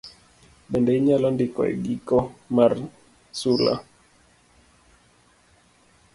Bende inyalo ndiko e giko mar sula